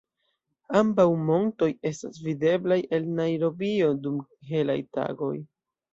Ambaŭ montoj estas videblaj el Najrobio dum helaj tagoj.